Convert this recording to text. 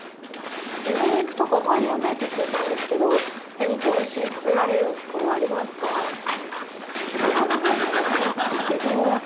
牛肉とか有名って聞いたんですけど何かおいしい、食べられるところはありますか？